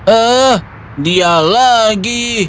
ah dia lagi